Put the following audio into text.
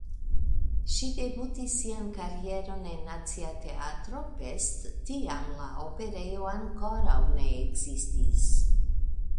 Ŝi debutis sian karieron en Nacia Teatro (Pest) (tiam la Operejo ankoraŭ ne ekzistis!).